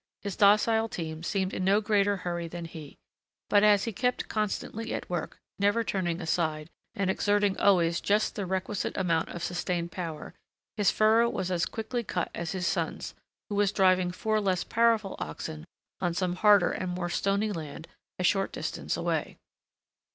His docile team seemed in no greater hurry than he; but as he kept constantly at work, never turning aside, and exerting always just the requisite amount of sustained power, his furrow was as quickly cut as his son's, who was driving four less powerful oxen on some harder and more stony land a short distance away.